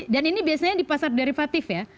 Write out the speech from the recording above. dan ini biasanya di pasar derivatif ya